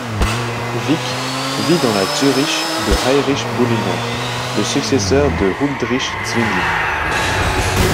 Wick vit dans la Zürich de Heinrich Bullinger, le successeur de Huldrych Zwingli.